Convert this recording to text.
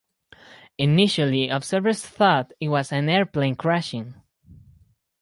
Initially, observers thought it was an airplane crashing.